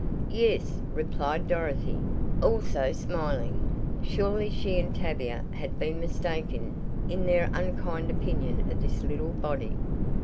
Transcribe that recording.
"Yes," replied Dorothy, also smiling. Surely she and Tavia had been mistaken in their unkind opinion of this little body.